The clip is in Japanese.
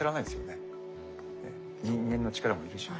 ねっ人間の力も要るし。